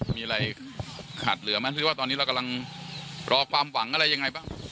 มีอะไรขาดเหลือไหมหรือว่าตอนนี้เรากำลังรอความหวังอะไรยังไงบ้าง